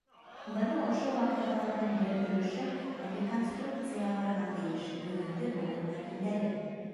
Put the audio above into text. Бына ошо ваҡиғаларҙың бер өлөшөн реконструкцияларға тейеш бөгөнгө быуын вәкилдәре.